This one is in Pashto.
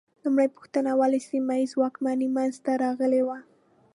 لومړۍ پوښتنه: ولې سیمه ییزې واکمنۍ منځ ته راغلې وې؟